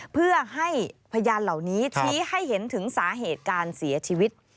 เพื่อให้พยานเหล่านี้ชี้ให้เห็นถึงสาเหตุการเสียชีวิต